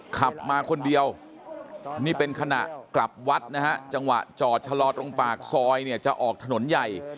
ขับมาคนเดียวนี่เป็นขณะกลับวัดนะฮะจังหวะจอดชะลอตรงปากซอยเนี่ยจะออกถนนใหญ่